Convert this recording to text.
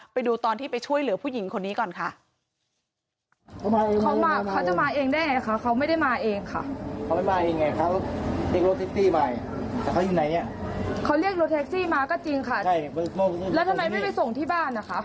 ไปดูตอนที่ไปช่วยเหลือผู้หญิงคนนี้ก่อนค่ะ